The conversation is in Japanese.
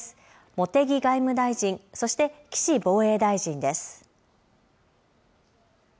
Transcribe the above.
茂木外務大臣、そして岸防衛大臣です。